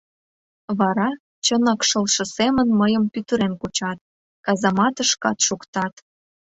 Вара чынак шылше семын мыйым пӱтырен кучат, казаматышкат шуктат.